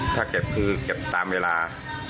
ถ้าเก็บคือเก็บตามเวลา